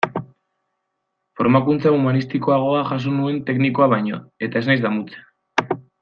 Formakuntza humanistikoagoa jaso nuen teknikoa baino, eta ez naiz damutzen.